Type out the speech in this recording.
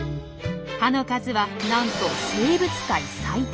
歯の数はなんと生物界最多。